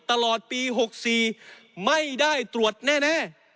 ตลอดปี๖๔ไม่ได้ตรวจแน่